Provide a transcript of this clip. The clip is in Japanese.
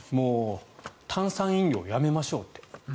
炭酸飲料やめましょうって。